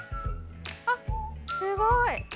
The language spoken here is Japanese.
すごい！